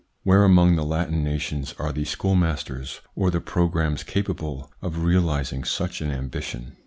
Where among the Latin nations are the schoolmasters or the pro grammes capable of realising such an ambition